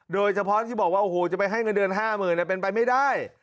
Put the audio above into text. โดยเฉพาะที่บอกว่าโอ้โหจะไปให้เงินเดือน๕๐๐๐เป็นไปไม่ได้